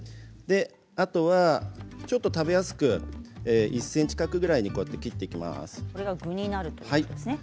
あとはちょっと食べやすく１ｃｍ角ぐらいに切っていきます。